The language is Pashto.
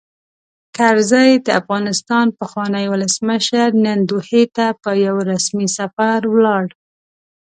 کرزی؛ د افغانستان پخوانی ولسمشر، نن دوحې ته په یوه رسمي سفر ولاړ.